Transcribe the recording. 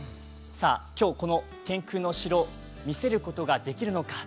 今日、この天空の城、見せることができるのか。